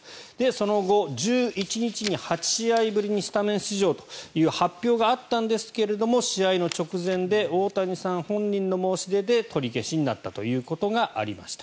その後、１１日に８試合ぶりにスタメン出場という発表があったんですが試合の直前で大谷さん本人の申し出で取り消しになったということがありました。